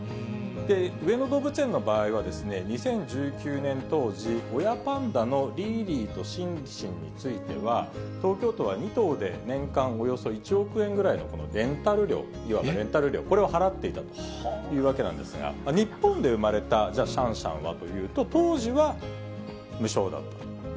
上野動物園の場合は、２０１９年当時、親パンダのリーリーとシンシンについては、東京都は２頭で年間およそ１億円ぐらいのこのレンタル料、いわばレンタル料、これを払っていたというわけなんですが、日本で生まれたシャンシャンはというと、当時は無償だったと。